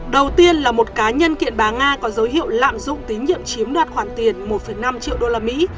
đầu tiên là một cá nhân kiện bà nga có dấu hiệu lạm dụng tín nhiệm chiếm đoạt khoản tiền một năm triệu usd